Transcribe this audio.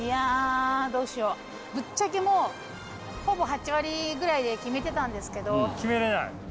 ぶっちゃけもうほぼ８割ぐらいで決めてたんですけど。